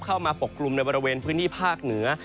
ปกกลุ่มในบริเวณพื้นที่ภาคเหนือ